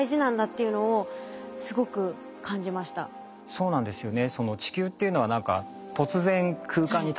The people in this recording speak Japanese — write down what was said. そうなんですよね。